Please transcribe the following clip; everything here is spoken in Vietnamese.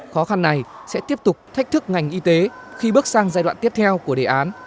khó khăn này sẽ tiếp tục thách thức ngành y tế khi bước sang giai đoạn tiếp theo của đề án